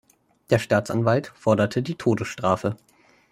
Der Staatsanwalt fordert die Todesstrafe.